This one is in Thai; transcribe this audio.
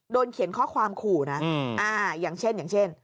โดนเขียนข้อความขู่นะอย่างเช่น